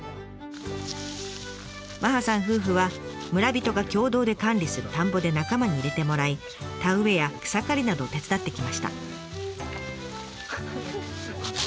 麻葉さん夫婦は村人が共同で管理する田んぼで仲間に入れてもらい田植えや草刈りなどを手伝ってきました。